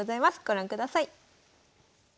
ご覧ください。